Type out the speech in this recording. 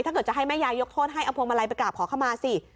ถ้าเกิดจะให้แม่ยายยกโทษให้เอาพวงมาลัยไปกราบขอเข้ามาสิ